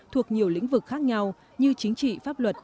thuộc nhiều lĩnh vực khác nhau như chính trị pháp luật